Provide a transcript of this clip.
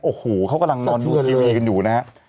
โอ้โหเขากำลังนอนดูทีวีกันอยู่นะฮะ